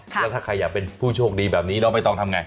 แล้วถ้าใครอยากเป็นผู้โชคดีแบบนี้น้องใบตองทำไง